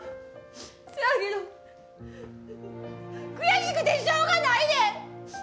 せやけど悔しくて、しょうがないねん！